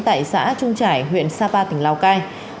tại xã trung trải huyện sapa tỉnh lào cai